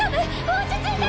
落ち着いて！